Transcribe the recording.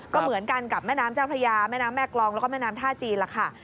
ก็เหมือนกันกับแม่น้ำเจ้าพระยาแม่น้ำแม่กรองแล้วก็แม่น้ำท่าจีนล่ะค่ะ